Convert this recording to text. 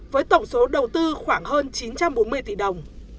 với tổng số đầu tư khoảng hơn chín trăm bốn mươi tỷ đồng